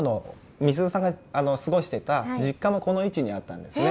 みすゞさんが過ごしてた実家もこの位置にあったんですね。